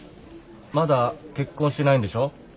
まだ結婚してないんでしょ？